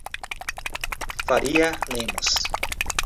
Faria Lemos